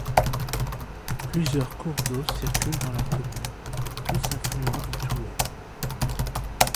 Plusieurs cours d'eau circulent dans la commune, tous affluents du Thouet.